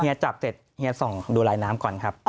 จับเสร็จเฮียส่องดูลายน้ำก่อนครับ